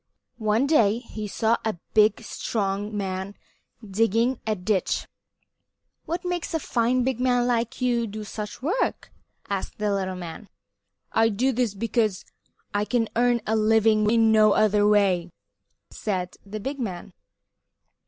One day he saw a big, strong man digging a ditch "What makes a fine big man like you do such work?" asked the little man. "I do this work because I can earn a living in no other way," said the big man.